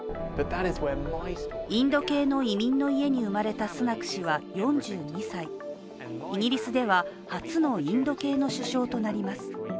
インド系の移民の家に生まれたスナク氏は４２歳イギリスでは初のインド系の首相となります。